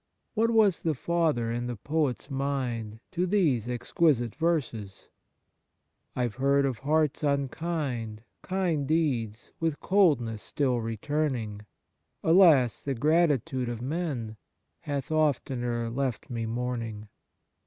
What was the father in the poet's mind to these exquisite verses ?' I've heard of hearts unkind, kind deeds With coldness still returning ; Alas ! the gratitude of men Hath oftener left me mourning